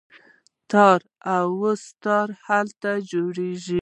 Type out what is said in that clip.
تار او سه تار هلته جوړیږي.